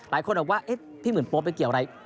หลายคนบอกว่าพี่หมื่นโป๊ไปเกี่ยวอะไร